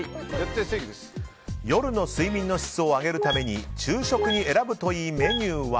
夜の睡眠の質を上げるために昼食に選ぶといいメニューは。